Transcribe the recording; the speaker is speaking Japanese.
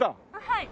はい。